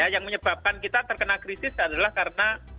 yang menyebabkan kita terkena krisis adalah karena